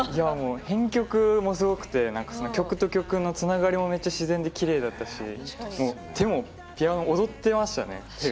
編曲もすごくて曲と曲のつながりもめっちゃ自然できれいだったし手も、踊ってましたね。